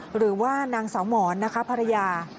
หรือว่านางสาวหมอนนะคะภรรยา